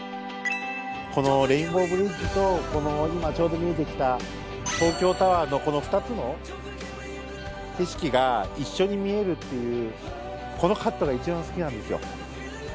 このレインボーブリッジと今ちょうど見えてきた東京タワーのこの２つの景色が一緒に見えるっていうこのカットが一番好きなんですよ。